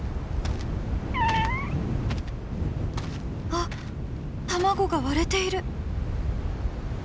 「あっ卵が割れている！」。